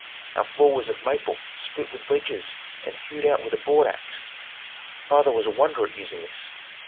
Our floor was of maple split with wedges and hewed out with a broadax. Father was a wonder at using this.